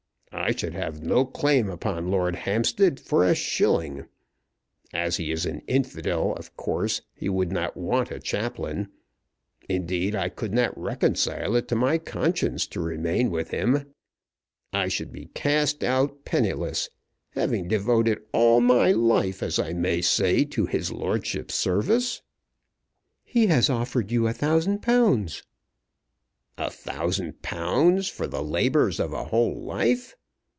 I should have no claim upon Lord Hampstead for a shilling. As he is an infidel, of course he would not want a chaplain. Indeed I could not reconcile it to my conscience to remain with him. I should be cast out penniless, having devoted all my life, as I may say, to his lordship's service." "He has offered you a thousand pounds." "A thousand pounds, for the labours of a whole life!